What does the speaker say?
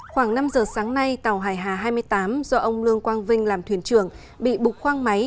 khoảng năm giờ sáng nay tàu hải hà hai mươi tám do ông lương quang vinh làm thuyền trưởng bị bục khoang máy